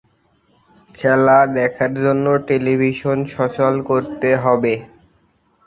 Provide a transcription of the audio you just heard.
খেলা দেখার জন্য টেলিভিশন সচল করতে হবে।